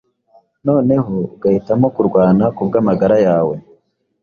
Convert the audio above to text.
noneho ugahitamo kurwana kubw’amagara yawe